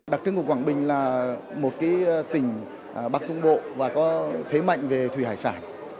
đặc trưng của quảng bình là một tỉnh bắc trung bộ và có thế mạnh về thủy hải sản